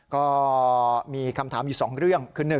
ก็มีคำถามอยู่๒เรื่องคือ